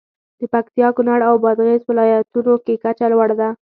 د پکتیا، کونړ او بادغیس ولایتونو کې کچه لوړه ده.